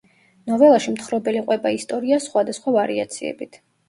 ნოველაში მთხრობელი ყვება ისტორიას სხვა და სხვა ვარიაციებით.